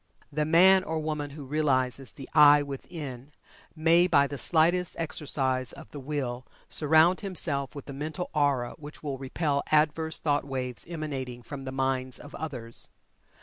The man or woman who realizes the "I" within, may by the slightest exercise of the Will surround himself with a mental aura which will repel adverse thought waves emanating from the minds of others.